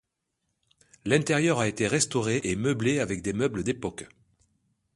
L'intérieur a été restauré et meublé avec des meubles d'époque.